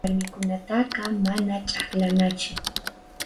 Warmikunataqa mana ch'aqlanachu.